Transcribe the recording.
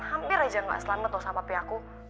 hampir aja gak selamat loh sama papi aku